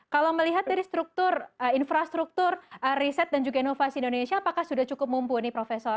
kalau melihat dari struktur infrastruktur riset dan juga inovasi indonesia apakah sudah cukup mumpuni profesor